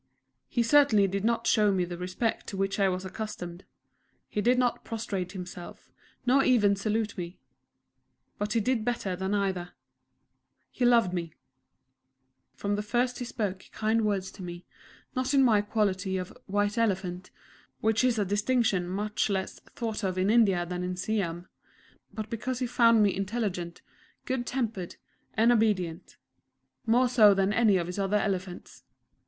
He certainly did not show me the respect to which I was accustomed; he did not prostrate himself, nor even salute me; but he did better than either he loved me. From the first he spoke kind words to me, not in my quality of "White Elephant," which is a distinction much less thought of in India than in Siam, but because he found me intelligent, good tempered, and obedient more so than any of his other elephants.